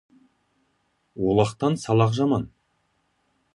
Олақтан салақ жаман.